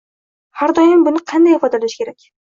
Har doim buni qanday ifodalash kerak.